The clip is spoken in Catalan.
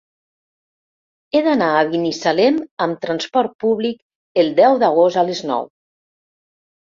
He d'anar a Binissalem amb transport públic el deu d'agost a les nou.